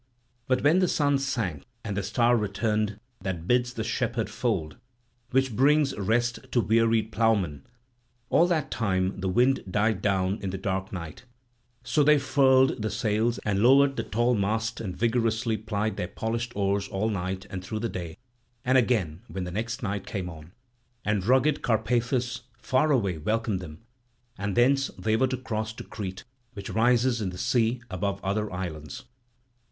But when the sun sank and the star returned that bids the shepherd fold, which brings rest to wearied ploughmen, at that time the wind died down in the dark night; so they furled the sails and lowered the tall mast and vigorously plied their polished oars all night and through the day, and again when the next night came on. And rugged Carpathus far away welcomed them; and thence they were to cross to Crete, which rises in the sea above other islands.